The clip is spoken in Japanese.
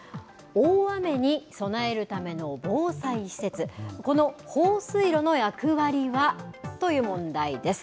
大雨に備えるための防災施設、この放水路の役割は？という問題です。